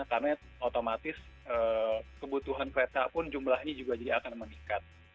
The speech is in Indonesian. karena otomatis kebutuhan kereta pun jumlahnya juga akan meningkat